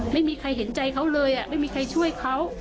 ไม่มีใครเห็นใจเขาเลยไม่มีใครช่วยเขา